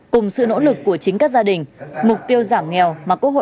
cùng sự nỗ lực của chính các gia đình